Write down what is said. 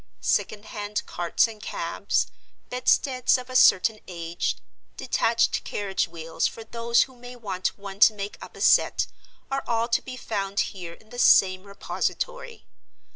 Second hand carts and cabs, bedsteads of a certain age, detached carriage wheels for those who may want one to make up a set, are all to be found here in the same repository.